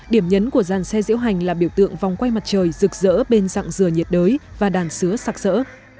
điểm nhấn của dàn xe diễu hành là biểu tượng vòng quay mặt trời rực rỡ bên dạng dừa nhiệt đới và đàn sứa sạc sỡ